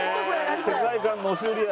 世界観の押し売りや。